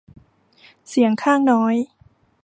เสียงข้างน้อย